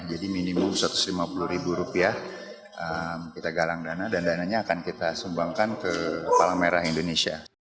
jadi minimum satu ratus lima puluh ribu rupiah kita galang dana dan dananya akan kita sumbangkan ke kepala merah indonesia